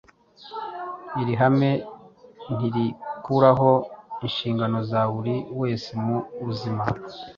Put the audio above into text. Iri hame ntirikuraho inshingano za buri wese mu buzima,